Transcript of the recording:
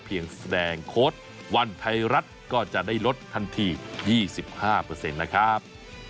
แสดงโค้ดวันไทยรัฐก็จะได้ลดทันที๒๕นะครับ